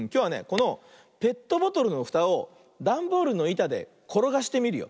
このペットボトルのふたをだんボールのいたでころがしてみるよ。